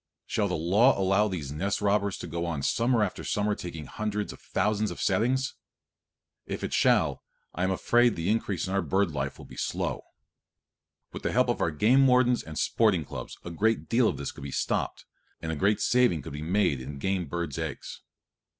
Shall the law allow these nest robbers to go on summer after summer taking hundreds of thousands of settings? If it shall I am afraid the increase in our bird life will be slow. With the help of our game wardens and sporting clubs a great deal of this could be stopped, and a great saving could be made in game birds' eggs.